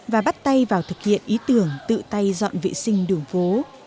và bắt tay vào thực hiện ý tưởng tự tay dọn vệ sinh đường phố